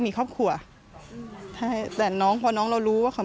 พี่สาวบอกแบบนั้นหลังจากนั้นเลยเตือนน้องตลอดว่าอย่าเข้าใกล้ในพงษ์นะ